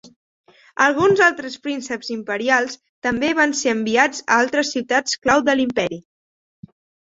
Alguns altres prínceps imperials també van ser enviats a altres ciutats clau de l'imperi.